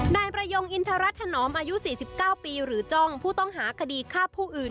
นายประยงอินทรรัฐถนอมอายุ๔๙ปีหรือจ้องผู้ต้องหาคดีฆ่าผู้อื่น